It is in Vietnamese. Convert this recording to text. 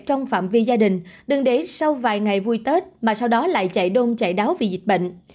trong phạm vi gia đình đừng để sau vài ngày vui tết mà sau đó lại chạy đông chạy đáo vì dịch bệnh